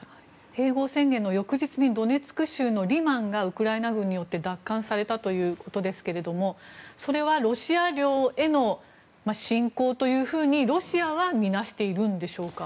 併合宣言の翌日にドネツク州のリマンがウクライナ軍によって奪還されたということですけどそれはロシア領への侵攻だと、ロシアはみなしているんでしょうか。